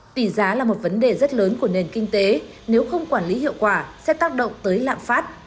tỷ giá là một vấn đề rất lớn của nền kinh tế nếu không quản lý hiệu quả sẽ tác động tới lạm phát